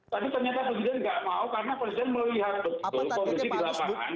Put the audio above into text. tapi ternyata pemerintah tidak mau karena pemerintah melihat keputusan di lapangan